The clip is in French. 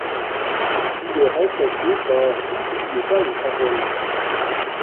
Il a été remplacé par N'oubliez pas les paroles.